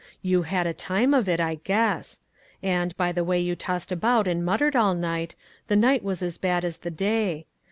You had a time of it, I guess. And, by the way you tossed about and muttered all night, the night was as bad as the day.